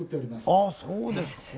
あっそうですか。